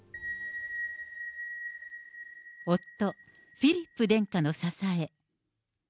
夫、フィリップ殿下の支え。